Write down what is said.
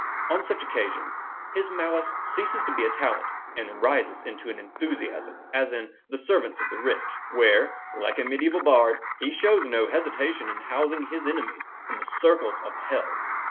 On such occasions his malice ceases to be a talent, and rises into an enthusiasm, as in The Servants of the Rich, where, like a mediaeval bard, he shows no hesitation in housing his enemies in the circles of Hell.